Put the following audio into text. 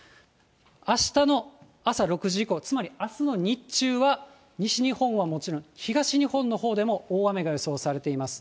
あしたの朝６時以降、つまり、あすの日中は西日本はもちろん、東日本のほうでも大雨が予想されています。